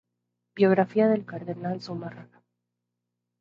Biografía del cardenal Zumárraga